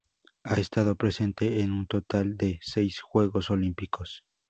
Ha estado presente en un total de seis Juegos Olímpicos.